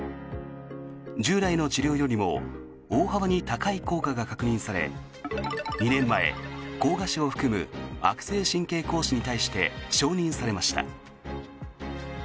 従来の治療よりも大幅に高い効果が確認され２年前、膠芽腫を含む悪性神経膠腫に対して承認されました。